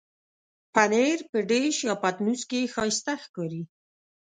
پنېر په ډش یا پتنوس کې ښايسته ښکاري.